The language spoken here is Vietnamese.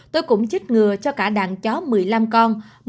tôi cũng chích ngừa cho cả đàn chó một mươi năm con